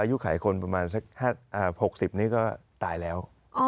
อายุไขคนประมาณสัก๖๐นี้ก็ตายแล้ว